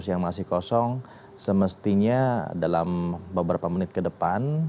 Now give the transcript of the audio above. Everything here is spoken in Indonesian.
yang masih kosong semestinya dalam beberapa menit ke depan